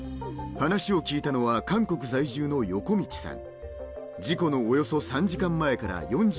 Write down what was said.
話を聞いたのは韓国在住の横道さん